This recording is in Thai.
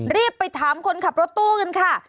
รีบไปถามคนขับรถตู้กันค่ะ